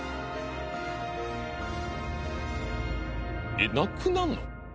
えっなくなるの？